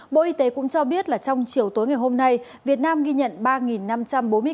bộ y tế cũng cho biết là trong chiều tối ngày hôm nay việt nam ghi nhận ba năm trăm bốn mươi ca